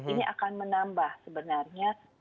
ini akan menambah sebenarnya